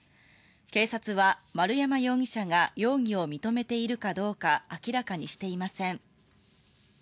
警察は丸山容疑者が容疑を認めているかどうか明らかにしていません。